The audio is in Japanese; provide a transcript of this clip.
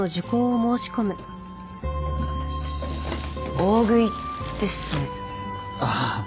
大食いですね。